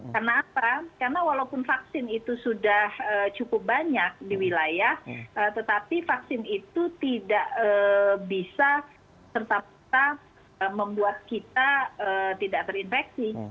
karena apa karena walaupun vaksin itu sudah cukup banyak di wilayah tetapi vaksin itu tidak bisa serta peta membuat kita tidak terinfeksi